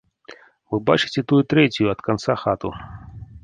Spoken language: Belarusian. Вы бачыце тую трэцюю ад канца хату.